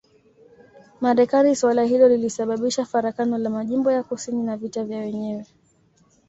Marekani suala hilo lilisababisha farakano la majimbo ya kusini na vita vya wenyewe